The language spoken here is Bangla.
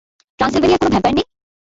ট্রান্সিলভেনিয়ায় কোন ভ্যাম্পায়ার নেই?